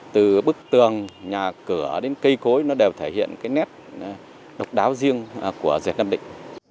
từ bức tường nhà cửa đến cây cối nó đều thể hiện cái nét độc đáo riêng của dệt nam định